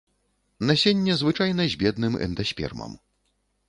Насенне звычайна з бедным эндаспермам.